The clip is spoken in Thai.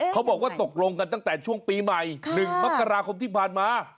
เขาบอกว่าตกลงกันตั้งแต่ช่วงปีใหม่๑มกราคมที่ผ่านมา